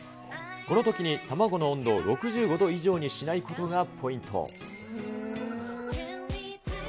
このときに卵の温度を６５度以上にしないことがポイント。